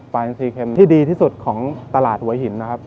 ปลาอินทรีย์เค็มที่ดีที่สุดของตลาดหวยหินนะครับ